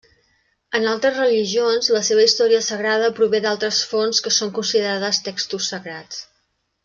En altres religions, la seva història sagrada prové d'altres fonts que són considerades textos sagrats.